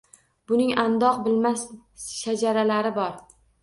Uning adoq bilmas shajaralari bor.